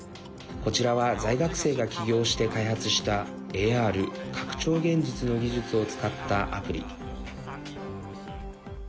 こちらは在学生が起業して開発したＡＲ＝拡張現実の技術を使ったアプリ。